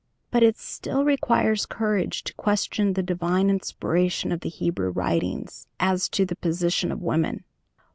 But it still requires courage to question the divine inspiration of the Hebrew Writings as to the position of woman.